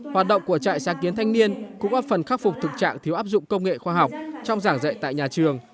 hoạt động của trại sáng kiến thanh niên cũng có phần khắc phục thực trạng thiếu áp dụng công nghệ khoa học trong giảng dạy tại nhà trường